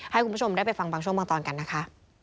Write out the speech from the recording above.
ให้คุณผู้ชมได้ไปฟังบางช่วงบางตอนกันนะคะ